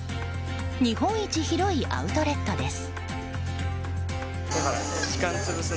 日本一広いアウトレットです。